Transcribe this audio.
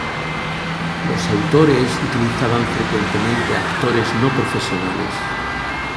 Los autores utilizaban frecuentemente a actores no profesionales.